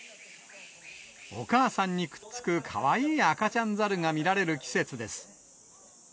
お母さんにくっつく、かわいい赤ちゃん猿が見られる季節です。